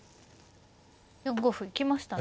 ４五歩行きましたね。